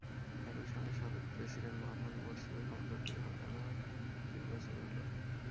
একই সঙ্গে সাবেক প্রেসিডেন্ট মোহাম্মদ মুরসিকে ক্ষমতা থেকে হটানোরও তিন বছর হলো।